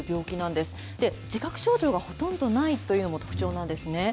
で、自覚症状がほとんどないというのも特徴なんですね。